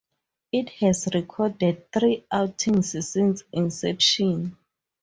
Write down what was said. It has recorded three outings since inception.